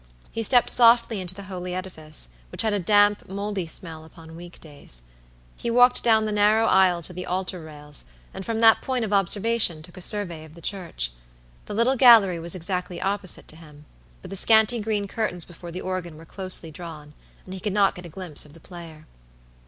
He stepped softly into the holy edifice, which had a damp, moldy smell upon week days. He walked down the narrow aisle to the altar rails, and from that point of observation took a survey of the church. The little gallery was exactly opposite to him, but the scanty green curtains before the organ were closely drawn, and he could not get a glimpse of the player.